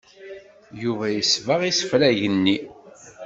Yuba yesbeɣ isefreg-nni.